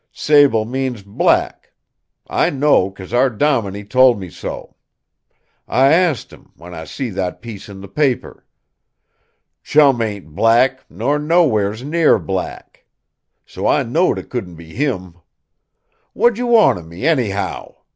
'Sable' means 'black.' I know, because our dominie told me so. I asked him, when I see that piece in the paper. Chum ain't black, nor nowheres near black. So I knowed it couldn't be him. What d'j' want of me, anyhow?"